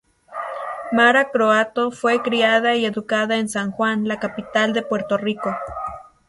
Mara Croatto fue criada y educada en San Juan, la capital de Puerto Rico.